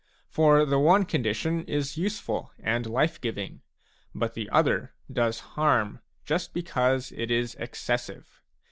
For the one condition is useful and life giving ; but the other does harm just because it is excessive.